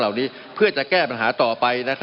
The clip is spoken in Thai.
มันมีมาต่อเนื่องมีเหตุการณ์ที่ไม่เคยเกิดขึ้น